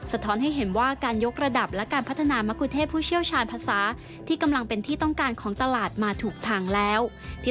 ท้อนให้เห็นว่าการยกระดับและการพัฒนามะกุเทศผู้เชี่ยวชาญภาษาที่กำลังเป็นที่ต้องการของตลาดมาถูกทางแล้ว